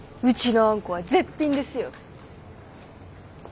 うちのあんこは絶品ですよ。